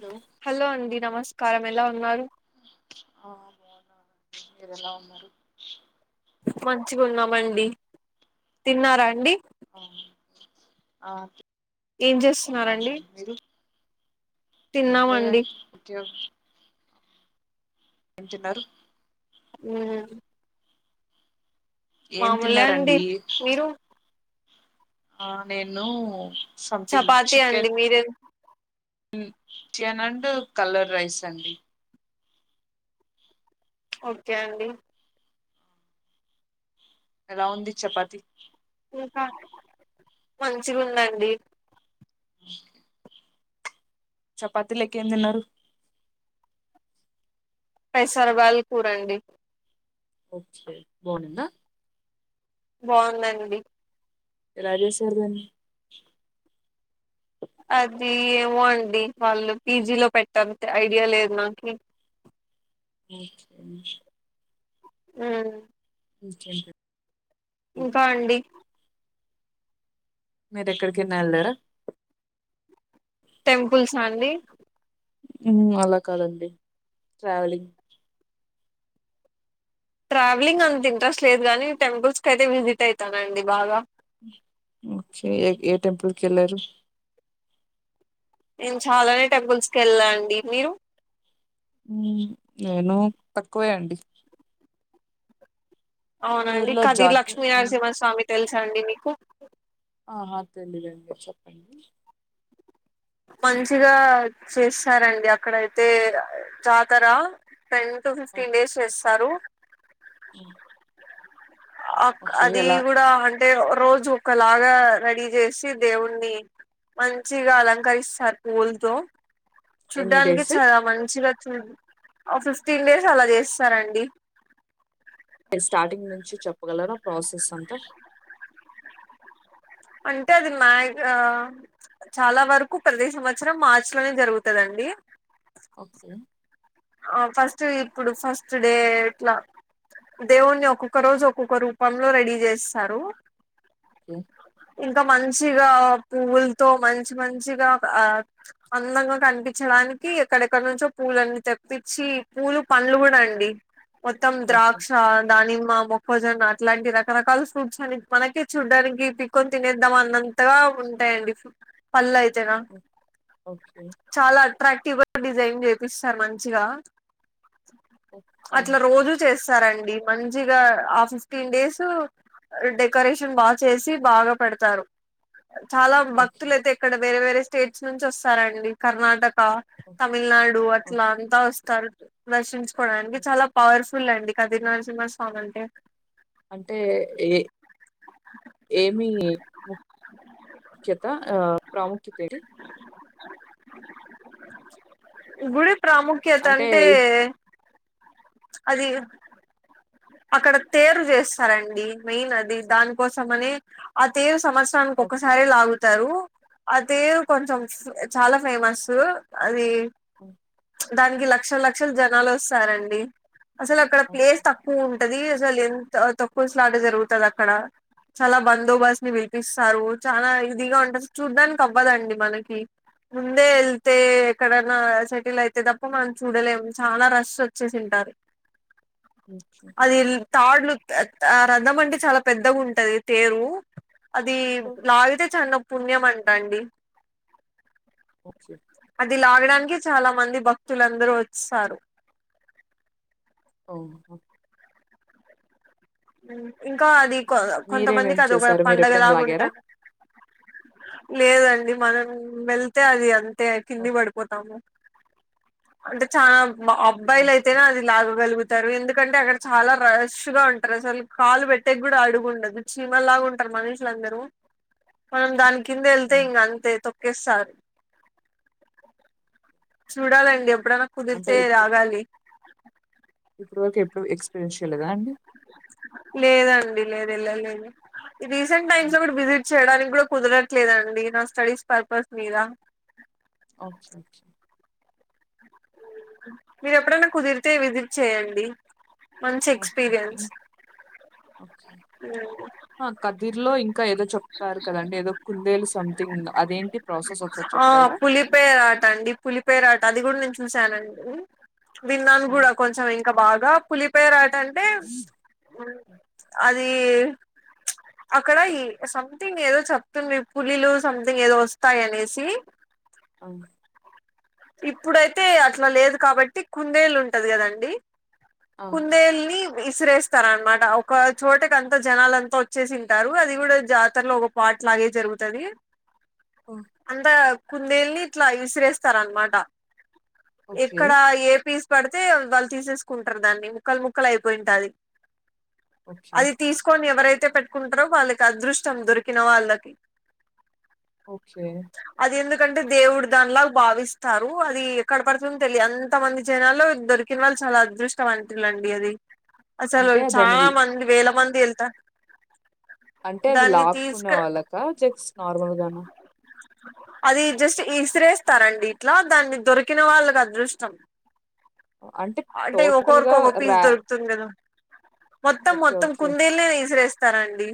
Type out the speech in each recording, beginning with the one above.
Hello hello అండి నమస్కారం ఎలా ఉన్నారు ఆ బాగున్న మీరు ఎలా ఉన్నారు మంచిగా ఉన్నామండి తిన్నారా అండి ఆ ఆ ఏం చేస్తున్నారండి తిన్నామండి మీరు ఏం తిన్నామండి లేదండి పొట్టిగానే ఏం తిన్నారు ఉ ఏం మామూలే అండి తిన్నారండి మీరు ఆ నేను సథింగ్ చపాతి చికెన్ అండి మీరే చికెన్ అండ్ కలర్ రైస్ అండి ఓకే అండి ఎలా ఉంది చపాతి ఇంకా మంచిగా ఉందండి పిట్టల సౌండ్ చపాతీలకు ఏం తిన్నారు పైసర బళ్ళు కూర రండి ఓకే బావుందా బాగుందండి ఎలా చేశారు మీరు అది ఏమో అండి వాళ్ళు పీజీలో పెట్ట ఐడియా లేదు నాకి [inaudible] ఉ హు ఉ ఇంకెంత ఇంకా అండి మీరు ఎక్కడికన్నా వెళ్ళారా టెంపుల్స్ అండి ఉ అలా కాదండి ట్రావెలింగ్ ట్రావెలింగ్ అంత ఇంట్రెస్ట్ లేదు గానీ టెంపుల్స్ కి అయితే విజిట్ అవుతానండి బాగా ఓకే ఏ ఏ టెంపల్ కి వెళ్లారు నేను చాలానే టెంపుల్స్ కి వెళ్ళా అండి మీరు ఉ నేను తక్కువే అండి అవునా మీ అండి ఊర్లో కదిలి జాతర లక్ష్మీనరసింహ స్వామి తెలుసా అండి మీకు ఆహా తెలియదండి చెప్పండి మంచిగా చేస్తారండి అక్కడయితే జాతరా టెన్ టు ఫిఫ్టీన్ డేస్ చేస్తారు అవునా అది కూడా అంటే రోజు ఒకలాగా రెడీ చేసి దేవుణి మంచిగా అలంకరిస్తారు పూలతో ఎన్ని చూడ్డానికి డేస్ చాలా మంచిగా ఫిఫ్టీన్ డేస్ అలా చేస్తారండి మీ స్టార్టింగ్ నుంచి చెప్పగలరా ప్రాసెస్ అంతా అంటే అది మ్యా ఆ చాలా వరకు ప్రతి సంవత్సరం మార్చి లోనే జరుగుతదండి అీ ఓకే ఆ ఫస్ట్ ఇప్పుడు ఫస్ట్ డే ఇట్లా దేవుణ్ణి ఒక్కొక్క రోజు ఒక్కొక్క రూపంలో రెడీ జేస్తారు కే ఇంకా మంచిగా పువ్వుల్తో మంచి మంచిగా ఆ అందంగా కనిపించడా నికి ఎక్కడెక్కడ నుంచో పూలన్ని తెప్పించి పూలు పండ్లు గూడా అండి మొత్తం ఓకే ద్రాక్ష దానిమ్మ మొ భోజన అట్లాంటి రకరకాల ఫ్రూట్స్ అని మనకే చూడ్డానికి పీక్కొని తినేద్దామా అన్నంతగా ఉంటా పళ్ల అయితేనా ఓకే చాలా అట్రాక్టివ్గా డిజైన్ చేపిస్ సార్ మంచిగా అట్లా రోజు చేస్ స్థారండి మంచిగా ఆ ఫిఫ్టీన్ డేసూ డెకరేషన్ బా చేసి బాగా పెడతారు చాలా ఓకే భక్తులయితే ఎక్కడ వేరే వేరే స్టేట్స్ నుంచి వస్తారండి కర్ణాటక్ తమిళనాడు అట్లా ఓకే అంతా వస్తారు దర్శించుకోడానికి చాలా పవర్ఫ్ ఫుల్ండి కదిరి నరసింహ స్వామి అంటే అంటే ఏ ఏమి ము చెప్తా ఆ ప్రాముఖ్యతడి గుడి ప్రాముఖ్యత అంటే అది అక్కడ తేరు చేస్తారండి మెయిన్ అది దానికోసం అని ఆ తేజ్ సంవత్సరానికి ఓకే ఒకసారె లాగు తారు అదే కొంచం చాలా ఫేమస్సు అది ఆఓ [inaudible] దానికి లక్షల లక్షలు జనాలు వొస్తారండి అసలు అక్కడ ఓకే ప్లేస్ తక్ ఉంటది అసలు ఎంత తక్కువ స్లాట్ జరుగుతదక్కడ చాలా బందోబస్తు ని పిలిపిస్తారు చాలా ఇదిగా ఉంట చూడ్డాానికి అవ్వదండి మనకి ముందే వెళ్తే ఎక్కడన్నా సెటిల్ అయితే తప్ప మనం చూడలేం చాలా రష్ వచ్చేసింట స అది తాడ్లు త త ఆ రధం అంటే చాలా పెద్దగా ఉంటది తేరు అది లాగితే చన్న పుణ్యం అంటా అండి ఓకే అది లాగడానికి చాలా మంది భక్తులుందరూ వస్తారు అవునా ఇంకా అది కోదా కొంతమందికి మీరేమేం అది ఒక చేశారు మీరు ఎప్పుడైనా లాగారా పంండగలాగుంటది లేదండి మనం వెళ్తే అది అంతే ఓ, కింది పడిపోతాము అంటే చా అబ్బాయిలు ఓకే అయితేనే అది లాగగలుగుతు రు ఎందుకంటే అక్కడ చాలా రష్గా ఉంట్ అసలు కాలు పెట్టేకి కూడా అడుగుండదు చీమ లాగా ఉంటారు మనుషులందరూ మనం దానికి కింద ఓ. వెళ్తే ఇంక అంతే తొక్కేస్తారు చూడాలండి ఎప్పుడన్న అంటే కుదిరితే రాగాలి ఇప్పుడు పోతే ఎప్పుడు ఎక్స్పీరిన్షయల్ లేదా అండి లేదండి లేదు ఎళ్ళలేదు. రీసెంట్ టైమ్స్లో గుడా విజిట్ చేయడానికి గుడా కుదరట్లేదండి నా స్టడీస్ పర్పస్ మీద ఓకే ఓకే మీరు ఎప్పుడైన కుదిరితే విజిట్ చేయండి మంచి ఓకే ఓకే ఎక్స్పీరియన్స్ ఇం- ఓకే ఆ కదిర్లో ఇంకా ఏదో చెప్తారు కదండి ఏదో కుందేలు సంథింగ్ అదేంటి ప్రాసెస్ ఒక్సారి చెప్ ఆ పులిపేరాట అండి పులిపేరాట అది గుడా నేన్ చు చూశానండి. విన్నాను ఆ, కూడా కొంచెం ఇంకా బాగా పులిపేరా టంటే అదీ అక్కడ ఈ సంథింగ్ ఏదో చెప్తుంది పులీలు సంథింగ్ ఏదో వస్తాయి అనేసి అవు ఇప్పుడైతే అట్ల లేదు కాబట్టి కుందేళ్ళు ఉంటది కదండి ఆ. కుందేల్ని ఇసిరేస్తారన్మాట. ఒక చోటకంతా జనాలంతా వచ్చేసింటారు అది గుడా జాతర్లో ఒక పా అట్లాగే జరుగుతది. ఆ. అంత కొందేల్ని ఇట్లా ఇసిరేస్తారన్మాట. ఓకే ఎక్కడా ఏపీస్ పడ్తే వాళ్ళు తీసేస్కుంటార్ దాన్ని ముక్కల్ ముక్కల్ అయిపోయి ఉంటాది ఓకే అది తీస్కోన్ ఎవరై తే పెట్టుకుంటరో వాళ్ళకి అదృష్టం దొరికిన వాళ్ళకి ఓకే అది ఎందుకంటే దేవుడు దాన్ లాగ్ భావిస్ తారు అది ఎక్కడ పడుతుందో తెలి అంత మంది జనాల్లో దొరికిన వాళ్ళు చాలా అదృష్టవంతులండి అది అసలు అంటే దాని చాలా మంది వేల మంది ఎళ్తా అంటే అది లాక్కునే వాళ్ళకా జస్ట్ నార్మల్గానా అది జస్ట్ ఇసిరేస్తారండి ఇట్లా దాన్ని దొరికిన వాళ్ళక్ అదృష్టం అంటే టోటల్ ఒకోర్ గా ఒక్కో పీస్ రా దొరుకుతుంది గడా మొత్తం ఓకే మొత్తం ఓకే కుందేల్నే ఇసిరేస్తారండి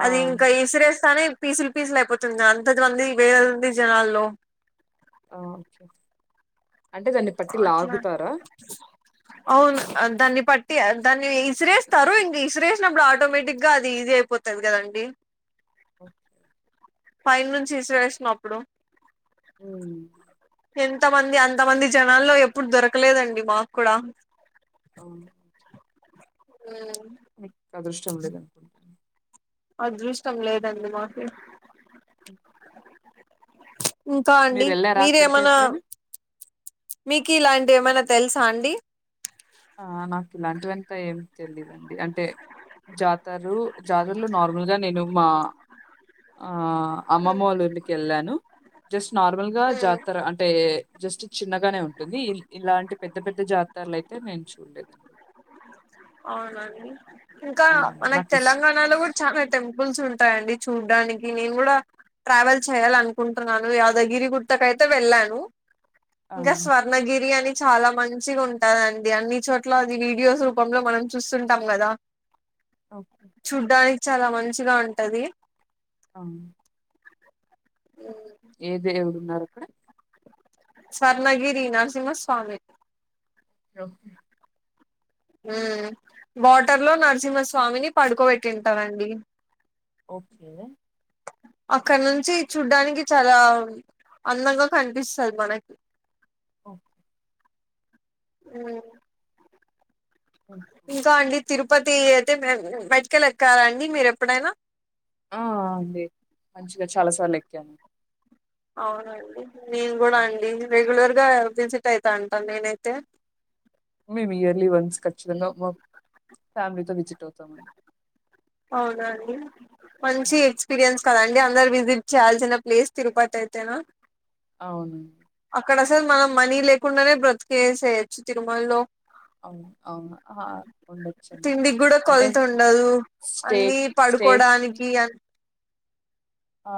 ఆ, అది ఇంకా ఇసిరేస్ స్తనే పీసుల్ పీసుల్ అయిపోతుంది గదా అంత మంది వేలంది జనాల్లో ఆ అంటే దాన్ని పట్టి అట్లన్ లాగుతారా అవున్ దాన్ని పట్టి దాన్ని ఇసిరేస్తారు ఇంక ఇసిరేసినప్పుడు ఆటోమేటిక్గా అది ఈజీ అయిపోతది కదండి. ఓకేే ఫైన్ నుంచి ఇసిరేసినప్పుడు మ్ ఎంతమంది అంతమంది జనాల్లో ఎప్పుడు దొర్కలేదండి మాక్ కూడా అవున్ మ్ మీక్ అదృష్టం లేదనుకుంట అండి అదృష్టం లేదండి మాకు ఇంకా అండి మీరెళ్ళారా అక్కడికి మీరేమనా ఎప్పుడైనా? మీకిలాంటి ఏమైనా తెల్సా అండి ఆ నాక్ ఇలాంటివంత ఏం తెలీదండి అంటే జాతరు జాతరలో నార్మల్గా నేను మా ఆ అమ్మమ్మ వాళ్ళంటికి వెళ్ళాను జస్ట్ నార్మల్గా ఉమ్ జాతర అంటే జస్ట్ చిన్నగానే ఉంటుంది ఇల్ ఇలాంటి పెద్ద పెద్ద జాతరలు అయి తె నేను చూలేేదండి అవునండి ఇంకా మనకు నాకిష్ తెలంగాణలో ఇష్ కూడా చానా టెంపుల్స్ ఉంటాయండి చూడ్డాని నేను కూడా ట్రావెల్ చేయాలనుకుంటున్నాను యాదగిరి గుట్టకైతే వెళ్ళాను ఆ! ఇంకా ఓకే. స్వర్ణగిరి అని చాలా మంచిగా ఉంటదండి అన్ని చోట్ల అది వీడియోస్ కుపంలో మనం చూస్తుంటాం కదా ఓకే. చూడ్డాని చాలా మంచిగా ఉంటది ఆ ఉ ఏద దేవుడున్నారు అక్కడ సర్ణగిరి నరసింహస్వామి రో ఉ వాటర్ లో నర్సింహస్వామిని పడుకోబెట్టింటారండి ఓకే అక్కడ నుంచి చూడ్డానికి చాలా అందంగా కనిపిస్తది మనకి ఒ ఉ ఇంకా అండి తిరుపతి అయితే మెటికలు ఎక్కారా అండి మీరు ఎప్పుడైనా ఆ అండి మంచిగా చాలా సార్లు ఎక్కాను అవునండి నేన్ కూడా అండి రెగులర్ గా విసిట్ అయితాంట నేనైతే మేము ఇయర్లీ వన్స్ ఖచ్చితంగా మా ఫ్యామిలీతో విజిట్ అవుతామని అవునా అండి మంచి ఎక్స్పీరియన్స్ కదండి అందరు విజిట్ చేయాల్సిన ప్లేస్ తిరుపతి అయితేనా అవును ర్ మనం మనీ లేకుండానే బ్రతికేసేయొచ్చు తిరుమలలో అవును అవును ఉండచ్చండి తిండికి కూడా అంటే కొలత ఉండదు అన్ని స్టేక్ స్టేకి పడుకోడానికి అన్ ఆ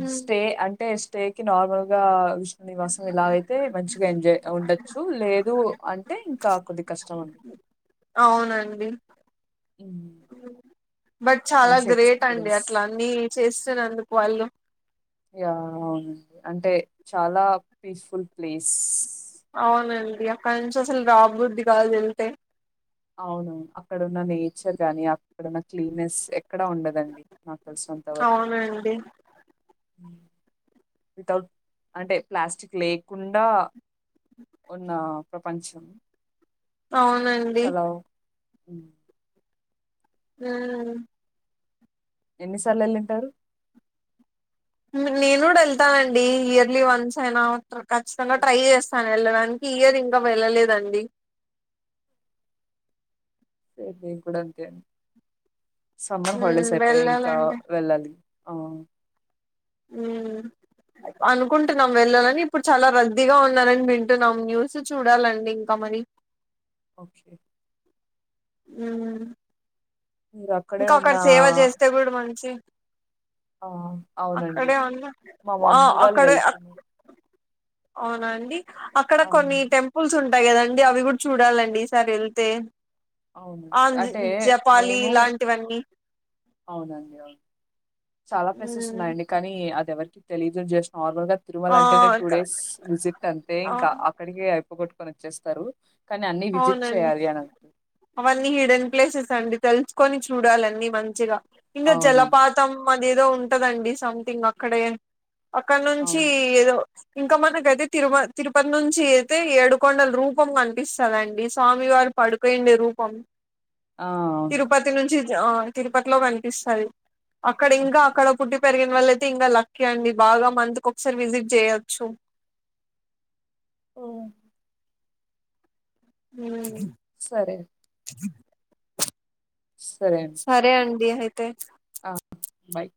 హ్మ్. స్టే అంటే స్టే కి నార్మల్ గా నివాసం ఇలా అయితే మంచిగా ఎంజాయ్ ఉండొచ్చు లేదు అంటే ఇంకా కొద్దిగ కష్టం అం అవునండి హ్మ్. బట్ చాలా మంచి గ్రేట్ అండి ఎక్స్‌పీరియన్స్. అట్ల అన్ని చేస్తున్నందుకు వాళ్ళు యా అవునండి అంటే చాలా పీస్ఫుల్ ప్లేస్ అవునండి అక్కడ నుంచి అసలు రాబబుద్ది కాదు వెళ్తే అవును అక్కడున్న నేచర్ గాని అక్కడున్న క్లీనెస్ ఎక్కడ ఉండదండి నాకు తెలిసినంతవరకు అవునండి వితౌట్ అంటే ప్లాస్టిక్ లేకుండా ఉన్న ప్రపంచం అవునండి చాలా మ్ ఊ ఎన్నిసార్లు యెళ్ళుంటరు నేను గూడా వెళ్తానండి ఇయర్లీ వన్స్ అయినా ఖచ్చితంగా ట్రై ఓకే జేస్తాను యెళ్ళడానికి ఈ ఇయర్ ఇంకా వెళ్ళలేదండి సేమ్ నేను గూడా అంతే అండి సమ్మర్ ఉమ్, హాలీడెస్ అయిపోయి ఇంకా వెళ్ళాలండి వెళ్ళాలి ఆ ఊ అనుకుంటున్నాం వెళ్ళాలని ఇప్పుడు చాలా రద్దీగా ఉన్నారని వింటున్నాం న్యూస్ చూడాలండి ఇంకా మరీ. [inaudible] ఓకే ఊమ్ మీరు అక్కడే ఇంక అక్కడ ఉన్న సేవ జేస్తే గూడా మంచి ఆ, అవునండి అక్కడే ఉన్నా మా ఆ మమ్మీ వాళ్ళు అక్కడే వెళ్తున్నారు అవునండి అక్కడ కొన్ని అవును టెంపుల్స్ ఉం టయేదండి అవి కూడా చూడాలండి ఈసారి యెళ్తే ఆ అవునండి అంటే జెపాలి మేము లాంటివన్నీ అవునండి అవును చాలా ప్లేసెస్ ఉమ్ ఉన్నాయండి కానీ అద్ ఎవరికి తెలియదు జస్ట్ నార్మల్ గా తిరుమల ఆ అంటే నే టూ ఇక్కడ డేస్ విజిట్ అంతే ఆ ఇంకా అక్కడికి అయిపోగొట్టుకొని వచ్చేస్తారు కానీ అన్నీ విజిట్ అవునండి చేయాలి అని అంటు అవన్నీ హిడెన్ ప్లేసెస్ అండి తెల్చుకొని చూడాలి అన్నీ మంచిగా ఇంకా అవునండి. జలపాతం మ అది ఏదో ఉంటదండి సంథింగ్ అక్కడే అక్కడ నుంచి అవును. ఏదో ఇంకా మనకైతే తిరుమ తిరుపతి నుంచి అయితే ఏడుకొండల రూపం కనిపిస్ కదండి స్వామి వారు పడుకోయుండె రూపం ఆ! అవును. తిరుపతి నుంచి ఆ తిరుపతిలో గనిపిస్తది అక్కడ ఇంకా ఓకే. అక్కడ పుట్టి పెరిగిన వాళ్ళ అయితే ఇంకా లక్కీ అండి బాగా మంత్ కి ఒకసారి విజిట్ చేయొచ్చు [inaudible] ఓ ఊమ్ సరే [inaudible] సరే అండి. సరే అండి అయితే ఆ బయ్